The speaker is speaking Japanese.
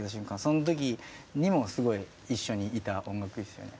その時にもすごい一緒にいた音楽ですよね。